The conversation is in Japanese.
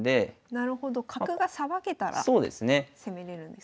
なるほど角がさばけたら攻めれるんですね。